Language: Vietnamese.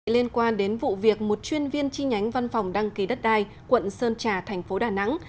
liên quan đến vụ việc một chuyên viên chi nhánh văn phòng đăng ký đất đai quận sơn trà thành phố đà nẵng